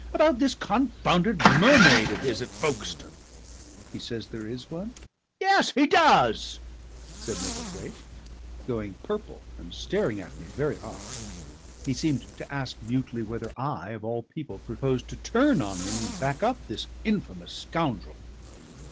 "About this confounded mermaid of his at Folkestone." "He says there is one?" "Yes, he does," said Micklethwaite, going purple and staring at me very hard. He seemed to ask mutely whether I of all people proposed to turn on him and back up this infamous scoundrel.